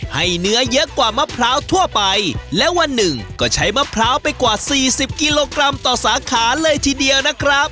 ให้เนื้อเยอะกว่ามะพร้าวทั่วไปและวันหนึ่งก็ใช้มะพร้าวไปกว่าสี่สิบกิโลกรัมต่อสาขาเลยทีเดียวนะครับ